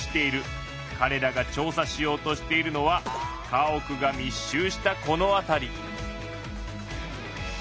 かれらが調査しようとしているのは家屋が密集したこの辺り。